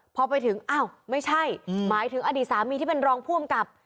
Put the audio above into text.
พอไปถึงอ้าวไม่ใช่หมายถึงอดีตสามีที่เป็นรองผู้อำกับ